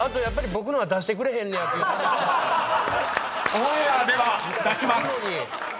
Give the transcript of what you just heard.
［オンエアでは出します］